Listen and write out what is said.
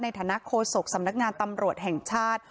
ในฐานะโคศกสำนักงานตำรวจแห่งชาติ